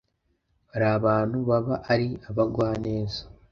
Hari abantu baba ari abagwaneza